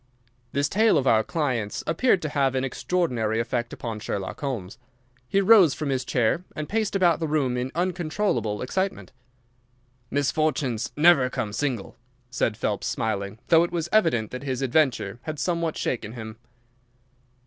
This tale of our client's appeared to have an extraordinary effect upon Sherlock Holmes. He rose from his chair and paced about the room in uncontrollable excitement. "Misfortunes never come single," said Phelps, smiling, though it was evident that his adventure had somewhat shaken him.